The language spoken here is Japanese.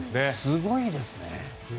すごいですね。